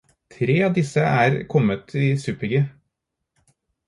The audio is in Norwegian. Tre av disse er kommet i super-G.